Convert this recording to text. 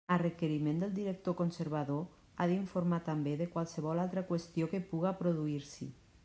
A requeriment del director-conservador, ha d'informar també de qualsevol altra qüestió que puga produir-s'hi.